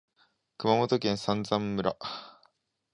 熊本県産山村